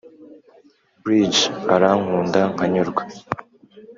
bridge: arankunda nkanyurwa